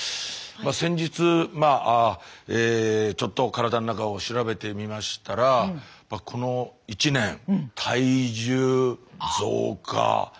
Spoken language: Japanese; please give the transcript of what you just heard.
先日ちょっと体の中を調べてみましたら増加。